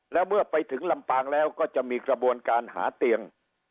แล้วเมื่อไปถึงลำปางแล้วก็จะมีกระบวนการหาเตียง